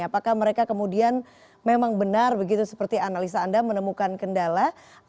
apakah mereka kemudian memang benar begitu seperti analisa anda menemukan kendala